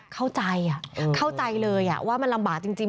เข้าใจเข้าใจเลยว่ามันลำบากจริง